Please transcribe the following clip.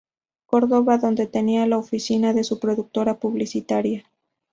Córdoba, donde tenía la oficina de su productora publicitaria.